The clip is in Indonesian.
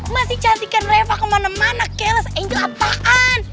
masih cantikin reva kemana mana kelas angel apaan